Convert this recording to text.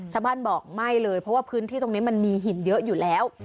ชาวบ้านบอกไม่เลยเพราะว่าพื้นที่ตรงนี้มันมีหินเยอะอยู่แล้ว